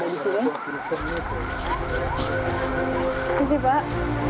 terima kasih pak